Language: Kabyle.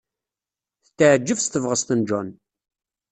Tetɛejjeb s tebɣest n John.